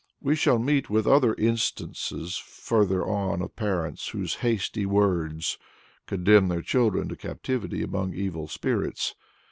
" We shall meet with other instances further on of parents whose "hasty words" condemn their children to captivity among evil spirits.